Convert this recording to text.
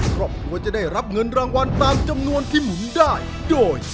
ครอบครัวจะได้รับเงินรางวัลตามจำนวนที่หมุนได้โดย